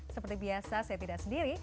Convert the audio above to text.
seperti biasa saya tidak sendiri